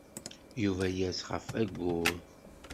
Yuba yers ɣef wayyur.